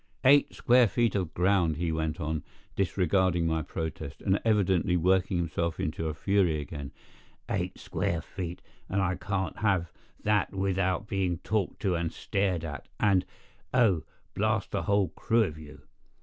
"Eight square feet of ground," he went on, disregarding my protest, and evidently working himself into a fury again. "Eight square feet, and I can't have that without being talked to and stared at, and—oh, blast the whole crew of you!"